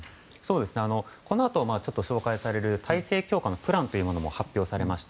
このあと紹介される体制強化のプランも発表されました。